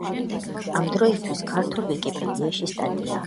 ამ დროისთვის ქართულ ვიკიპედიაში სტატიაა.